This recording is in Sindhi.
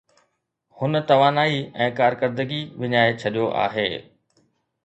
هن توانائي ۽ ڪارڪردگي وڃائي ڇڏيو آهي.